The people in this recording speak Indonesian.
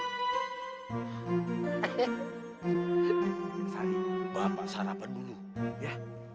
neng sari bapak sarapan dulu ya